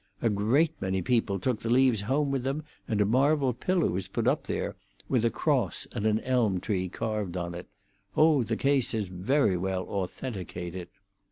A great many people took the leaves home with them, and a marble pillar was put up there, with a cross and an elm tree carved on it. Oh, the case is very well authenticated."